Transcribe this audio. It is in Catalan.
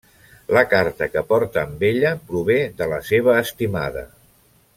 La carta que porta amb ella prové de la seva estimada.